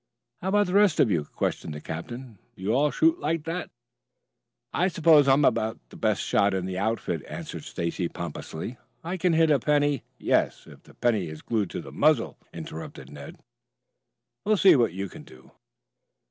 "How about the rest of you?" questioned the captain. "Do all of you shoot like that?" "I suppose I am about the best shot in the outfit," answered Stacy pompously. "I can hit a penny " "Yes, if the penny is glued to the muzzle," interrupted Ned. "We'll see what you can do."